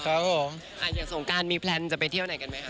อย่างสงการมีแพลนจะไปเที่ยวไหนกันไหมคะ